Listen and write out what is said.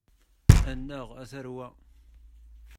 Annaɣ, a tarwa!